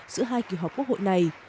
giữa hai kỳ họp quốc hội này